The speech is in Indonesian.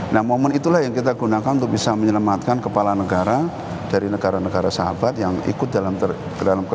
nah momen itulah yang kita gunakan untuk bisa menyelamatkan kepala negara dari negara negara sahabat yang ikut dalam